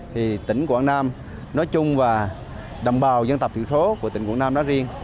thì tỉnh quảng nam nói chung và đồng bào dân tộc thiểu số của tỉnh quảng nam đó riêng